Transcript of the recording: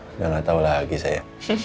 udah gak tau lagi saya